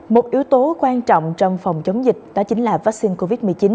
một yếu tố quan trọng trong phòng chống dịch đó chính là vaccine covid một mươi chín